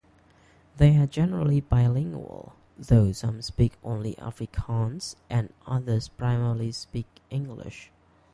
They are generally bilingual, though some speak only Afrikaans, and others primarily speak English.